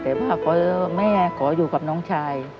แต่ว่าแม่ขออยู่กับน้องชาย